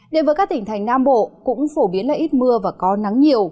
điện vực các tỉnh thành nam bộ cũng phổ biến là ít mưa và có nắng nhiều